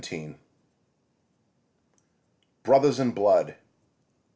_ Brothers in blood!